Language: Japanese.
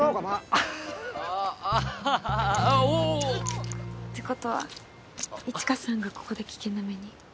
あああははおぉ！ってことは一華さんがここで危険な目に？